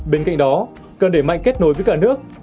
bên cạnh đó cần để mạnh kết nối với cả nước